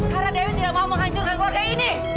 karena dewi tidak mau menghancurkan keluarga ini